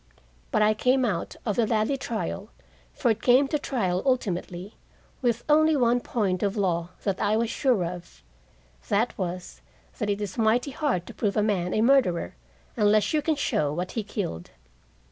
But I came out of the Ladley trial for it came to trial ultimately with only one point of law that I was sure of: that was, that it is mighty hard to prove a man a murderer unless you can show what he killed.